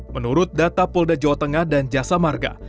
menurut data polda jawa tengah dan jasa marga